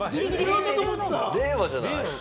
令和じゃない？